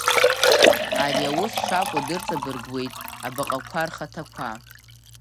Ари ус шакәу дырҵабыргуеит, абаҟақәа рхаҭақәа.